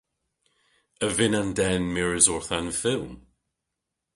A vynn an den mires orth an fylm?